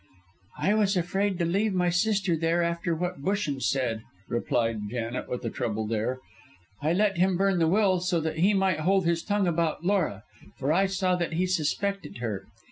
"I was afraid to leave my sister there after what Busham said," replied Janet, with a troubled air. "I let him burn the will, so that he might hold his tongue about Laura, for I saw that he suspected her.